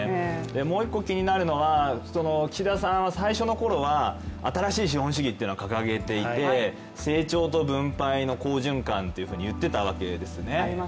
もう一個気になるのは岸田さん、最初のころは新しい資本主義を掲げていて成長と分配の好循環というふうに言っていたわけですよね。